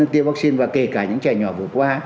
được tiêm vắc xin và kể cả những trẻ nhỏ vừa qua